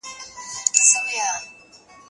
د انسان حقونه باید خوندي سي.